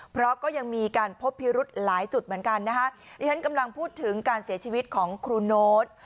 เพราะก็ยังมีการพบพิรุธหลายจุดเหมือนกันนะคะที่ฉันกำลังพูดถึงการเสียชีวิตของครูโน๊ต